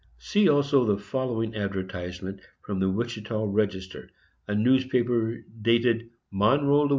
See also the following advertisement from the Ouachita Register, a newspaper dated "Monroe, La.